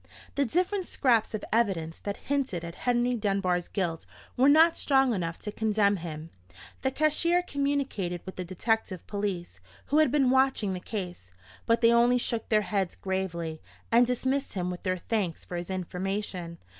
The different scraps of evidence that hinted at Henry Dunbar's guilt were not strong enough to condemn him. The cashier communicated with the detective police, who had been watching the case; but they only shook their heads gravely, and dismissed him with their thanks for his information.